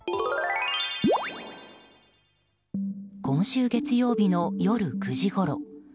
今週月曜日の夜９時ごろ。